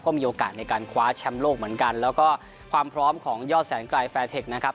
ก็มีโอกาสในการคว้าแชมป์โลกเหมือนกันแล้วก็ความพร้อมของยอดแสนไกลแฟร์เทคนะครับ